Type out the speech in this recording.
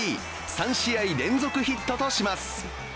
３試合連続ヒットとします。